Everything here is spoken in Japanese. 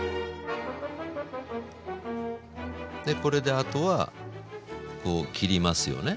これであとはこう切りますよね。